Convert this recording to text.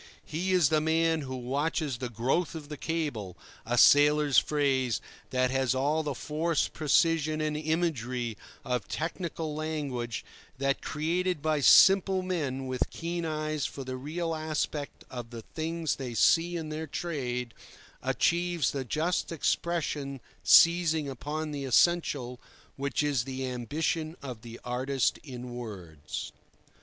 He is the man who watches the growth of the cable—a sailor's phrase which has all the force, precision, and imagery of technical language that, created by simple men with keen eyes for the real aspect of the things they see in their trade, achieves the just expression seizing upon the essential, which is the ambition of the artist in words.